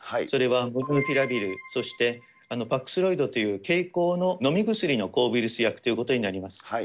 それはモルヌピラビルそしてパクスロビドという経口の飲み薬の抗ウイルス薬ということになります。